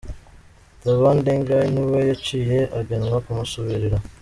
Taban Deng Gai ni we yaciye agenwa kumusubirira.